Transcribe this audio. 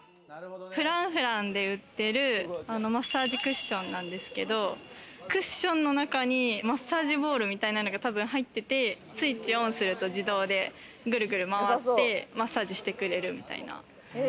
Ｆｒａｎｃｆｒａｎｃで売ってるマッサージクッションなんですけど、クッションの中にマッサージボールみたいのが多分入ってて、スイッチをＯＮすると自動でグルグル回ってマッサージしてくれるみたいな。